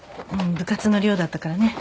部活の寮だったからね。